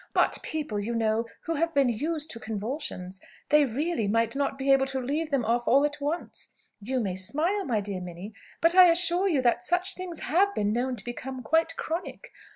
But people, you know, who have been used to convulsions they really might not be able to leave them off all at once. You may smile, my dear Minnie; but I assure you that such things have been known to become quite chronic.